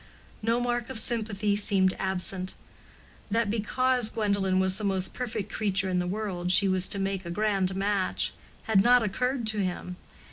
No mark of sympathy seemed absent. That because Gwendolen was the most perfect creature in the world she was to make a grand match, had not occurred to him.